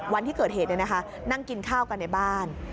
วันที่เกิดเหตุนั่งกินข้าวกันในบ้าน